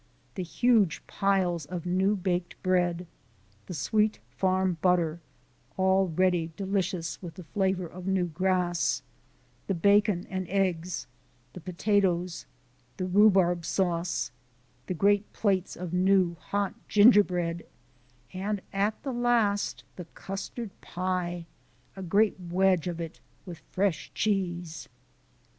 The huge piles of new baked bread, the sweet farm butter, already delicious with the flavour of new grass, the bacon and eggs, the potatoes, the rhubarb sauce, the great plates of new, hot gingerbread and, at the last, the custard pie a great wedge of it, with fresh cheese.